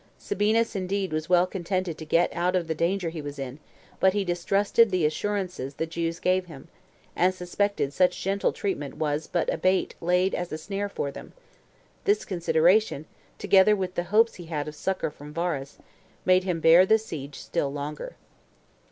Sabinus indeed was well contented to get out of the danger he was in, but he distrusted the assurances the Jews gave him, and suspected such gentle treatment was but a bait laid as a snare for them: this consideration, together with the hopes he had of succor from Varus, made him bear the siege still longer.